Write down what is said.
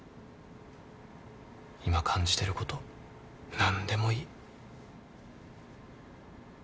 今感じてること何でもいい。